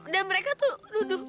dan mereka tuh duduk